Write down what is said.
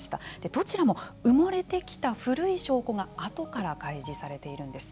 どちらも埋もれてきた古い証拠が後から開示されているんです。